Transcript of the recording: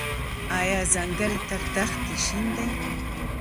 آیا ځنګل تر دښتي شین دی؟